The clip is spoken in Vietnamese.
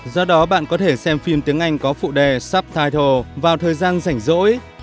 do đó bạn có thể xem phim tiếng anh có phụ đề supital vào thời gian rảnh rỗi